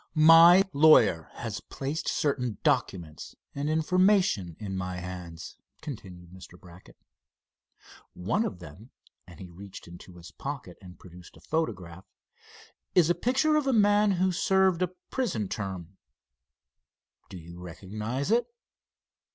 "My lawyer has placed certain documents and information in my hands," continued Mr. Brackett. "One of them," and he reached into his pocket and produced a photograph, "is a picture of a man who served a prison term. Do you recognize it?"